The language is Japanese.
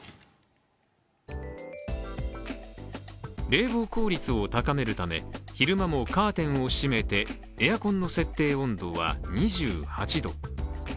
冷房効率を高めるため、昼間もカーテンを閉めてエアコンの設定温度は２８度。